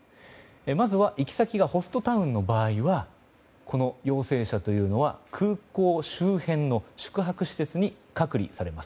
まずは行き先がホストタウンの場合は陽性者というのは空港周辺の宿泊施設に隔離されます。